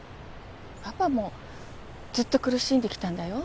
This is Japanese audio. パパもずっと苦しんできたんだよ。